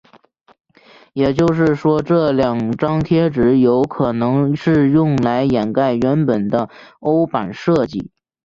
也就是说这两张贴纸有可能是用来掩盖原本的欧版设计。